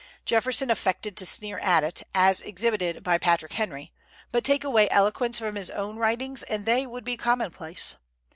Jefferson affected to sneer at it, as exhibited by Patrick Henry; but take away eloquence from his own writings and they would be commonplace.